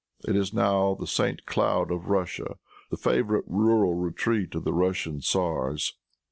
It is now the St. Cloud of Russia, the favorite rural retreat of the Russian tzars.